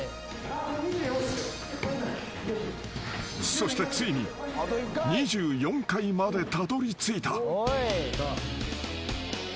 ［そしてついに２４階までたどりついた］